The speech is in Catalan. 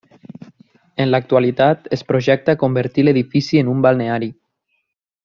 En l'actualitat es projecta convertir l'edifici en un balneari.